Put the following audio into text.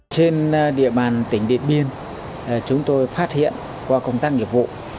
trên địa bàn tỉnh điện biên chúng tôi phát hiện qua công tác nghiệp vụ